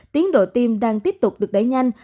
tiến độ tiêm đang tiếp tục được đẩy nhanh